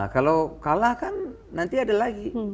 kalau kalah kan nanti ada lagi